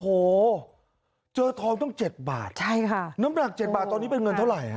โอ้โหเจอทองต้องเจ็ดบาทใช่ค่ะน้ำหนัก๗บาทตอนนี้เป็นเงินเท่าไหร่ฮะ